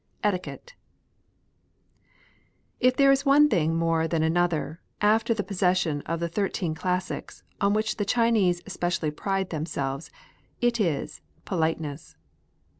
ETIQUETTE, If there is one thing more than another, after the pos session of the thirteen classics, on which the Chinese specially pride themselves, it is politeness.